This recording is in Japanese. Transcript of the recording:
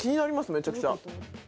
めちゃくちゃ。